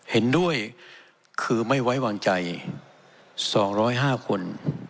เห็นด้วยคือไม่ไว้วางใจ๒๐๕คน